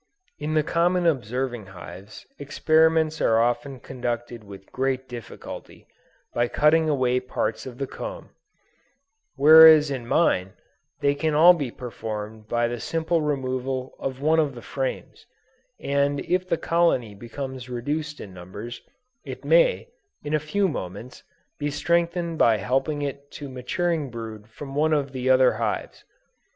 In the common observing hives experiments are often conducted with great difficulty, by cutting away parts of the comb, whereas in mine, they can all be performed by the simple removal of one of the frames, and if the colony becomes reduced in numbers, it may, in a few moments, be strengthened by helping it to maturing brood from one of the other hives.